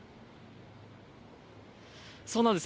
そうなんです。